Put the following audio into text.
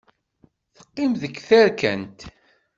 Teqqim deg terkent.